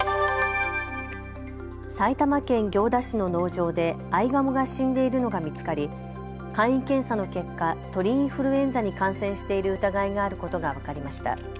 埼玉県行田市の農場でアイガモが死んでいるのが見つかり簡易検査の結果、鳥インフルエンザに感染している疑いがあることが分かりました。